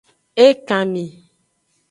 Ekanmi.